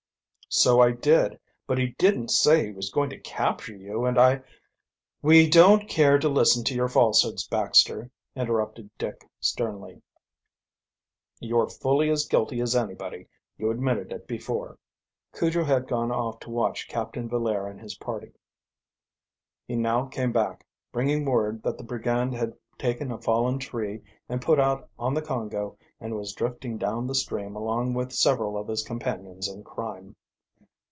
"So I did; but he didn't say he was going to capture you, and I " "We don't care to listen to your falsehoods, Baxter," interrupted Dick sternly. "You are fully as guilty as anybody. You admitted it before." Cujo had gone off to watch Captain Villaire and his party. He now came back, bringing word that the brigand had taken a fallen tree and put out on the Congo and was drifting down the stream along with several of his companions in crime.